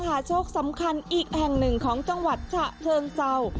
หาโชคสำคัญอีกแห่งหนึ่งของจังหวัดฉะเชิงเศร้า